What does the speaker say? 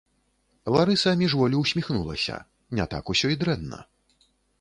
Ларыса міжволі ўсміхнулася: не так усё і дрэнна.